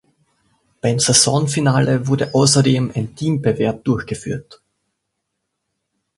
Beim Saisonfinale wurde außerdem ein Teambewerb durchgeführt.